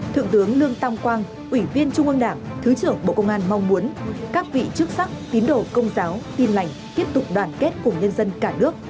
thượng tướng lương tam quang ủy viên trung ương đảng thứ trưởng bộ công an mong muốn các vị chức sắc tín đồ công giáo tin lành tiếp tục đoàn kết cùng nhân dân cả nước